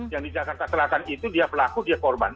yang di jakarta selatan itu dia pelaku dia korban